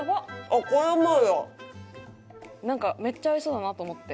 なんかめっちゃ合いそうだなと思って。